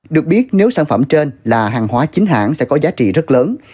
được biết nếu sản phẩm trên là hàng hóa chính hãng sẽ có giá trị rất lớn